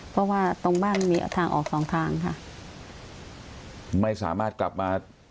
เพราะว่าตรงบ้านมีทางออกสองทางค่ะไม่สามารถกลับมา